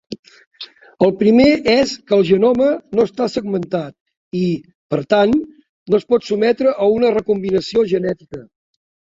El primer és que el genoma no està segmentat i, per tant, no es pot sotmetre a una recombinació genètica.